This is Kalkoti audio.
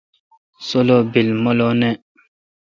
سولو بیل مہ لو نہ۔